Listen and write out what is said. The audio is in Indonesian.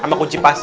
sama kunci pas ya